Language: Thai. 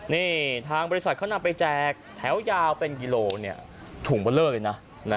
นี่ทางบริษัทเขานำไปแจกแถวยาวเป็นกิโลถุงเบอร์เลอร์เลยนะ